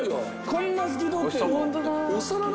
こんな透き通ってんの？